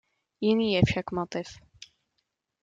Jiný je však motiv.